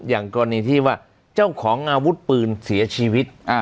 อย่างกรณีที่ว่าเจ้าของอาวุธปืนเสียชีวิต